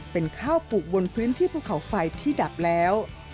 เป็นข้าวปลูกบนพื้นที่ภูเขาไฟที่ดับแล้ว